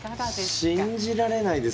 信じられないです